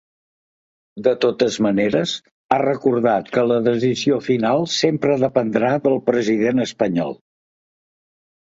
De totes maneres, ha recordat que la decisió final sempre dependrà del president espanyol.